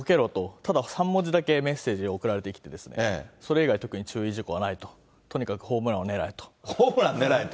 ただ３文字だけ、メッセージが送られてきて、それ以外、特に注意事項はないと、とにかくホームラホームラン狙えと？